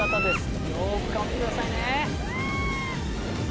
よく顔見てくださいね。